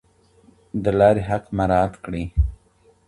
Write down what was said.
د لارې حق مراعات کړئ.